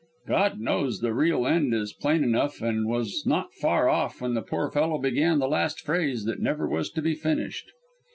God knows the real end is plain enough and was not far off when the poor fellow began the last phrase that never was to be finished.